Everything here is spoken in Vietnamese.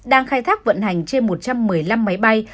đang khai thác vận hành trên một trăm một mươi năm máy bay